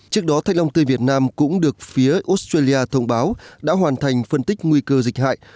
trước đó thanh long tươi việt nam cũng được phía australia thông báo đã hoàn thành phân tích nguy cơ dịch hại